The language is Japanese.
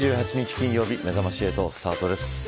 金曜日めざまし８スタートです。